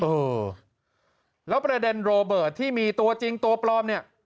เออแล้วประเด็นที่มีตัวจริงตัวปลอมเนี้ย